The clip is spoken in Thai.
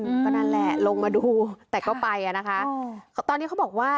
อืมก็นั่นแหละลงมาดูแต่ก็ไปอ่ะนะคะอืมตอนนี้เขาบอกว่า